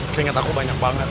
keringet aku banyak banget